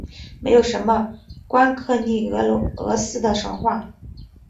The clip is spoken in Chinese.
没有什么有关克利俄斯的神话。